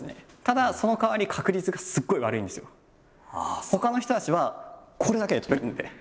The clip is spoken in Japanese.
ただほかの人たちはこれだけで跳べるんで。